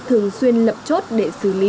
thường xuyên lập chốt để xử lý